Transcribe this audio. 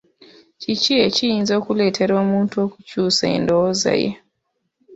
Kiki ekiyinza okuleetera omuntu okukyusa endowooza ye?